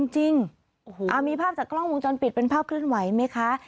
จริงมีภาพจากกล้องวงจรปิดเป็นภาพเคลื่อนไหวไหมคะ